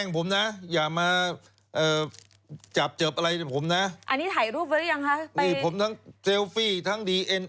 ผมจะได้ไปขึ้นเงินเนี่ย๓๐ล้าน